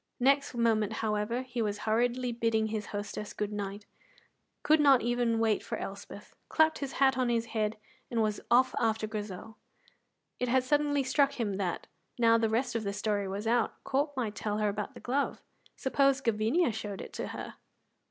Next moment, however, he was hurriedly bidding his hostess good night, could not even wait for Elspeth, clapped his hat on his head, and was off after Grizel. It had suddenly struck him that, now the rest of the story was out, Corp might tell her about the glove. Suppose Gavinia showed it to her!